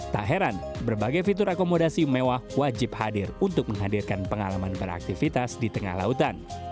tak heran berbagai fitur akomodasi mewah wajib hadir untuk menghadirkan pengalaman beraktivitas di tengah lautan